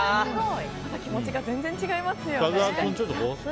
気持ちが全然違いますよね。